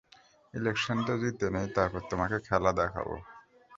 ইলেকশনটা জিতে নেই তারপর তোমাকে খেলা দেখাব!